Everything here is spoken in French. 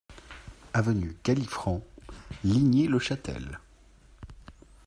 Avenue Galifranc, Ligny-le-Châtel